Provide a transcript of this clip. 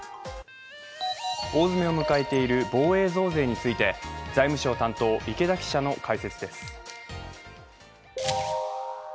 大詰めを迎えている防衛増税について、財務省担当、池田記者の開設です。